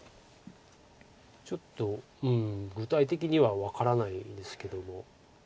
ちょっと具体的には分からないですけども。